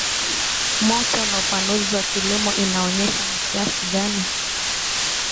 moto na upanuzi wa kilimo inaonyesha ni kiasi gani